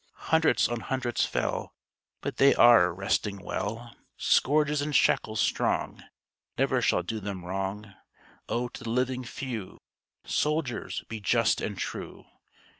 Hundreds on hundreds fell; But they are resting well; Scourges and shackles strong Never shall do them wrong. Oh, to the living few, Soldiers, be just and true!